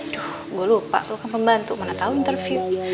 duh gua lupa lu kan pembantu mana tau interview